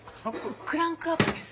クランクアップです。